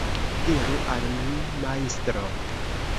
Diru al mi, majstro.